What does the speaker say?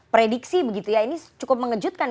prediksi begitu ya ini cukup mengejutkan